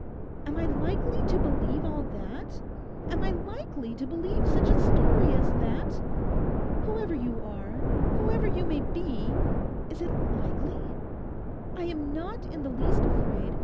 Am I likely to believe all that? Am I likely to believe such a story as that? Whoever you are, whoever you may be, is it likely? I am not in the least afraid.